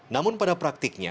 namun pada praktiknya